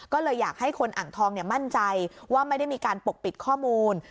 ก็เลยอยากให้คนอ่างทองมั่นใจว่าไม่ได้มีการปกปิดข้อมูล